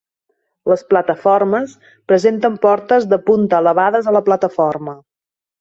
Les plataformes presenten portes de punta elevades a la plataforma.